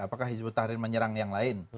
apakah hizbut tahrir menyerang yang lain